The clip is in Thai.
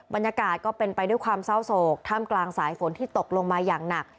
บรรยากาศก็เป็นไปด้วยความเศร้าโศกท่ามกลางสายฝนที่ตกลงมาอย่างหนัก